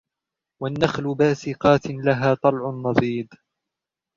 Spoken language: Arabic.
وَالنَّخْلَ بَاسِقَاتٍ لَهَا طَلْعٌ نَضِيدٌ